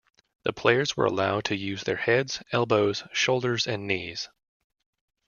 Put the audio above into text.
The players were allowed to use their heads, elbows, shoulders and knees.